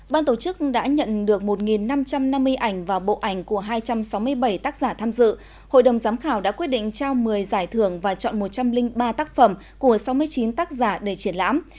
ban tổ chức đã nhận được một năm trăm năm mươi ảnh và bộ ảnh của hai trăm sáu mươi bảy tác giả tham dự hội đồng giám khảo đã quyết định trao một mươi giải thưởng và chọn một trăm linh ba tác phẩm của sáu mươi chín tác giả để triển lãm